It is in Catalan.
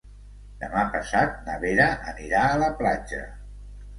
Demà passat na Vera anirà a la platja.